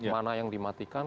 mana yang dimatikan